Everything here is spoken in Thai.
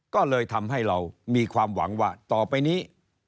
ก็เลยทำให้เรามีความหวังว่าต่อไปนี้